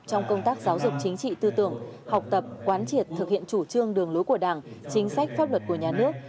trong công tác giáo dục chính trị tư tưởng học tập quán triệt thực hiện chủ trương đường lối của đảng chính sách pháp luật của nhà nước